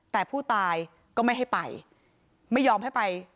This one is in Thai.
แต่ผู้ตายก็ไม่ให้ไปไม่ยอมให้ไป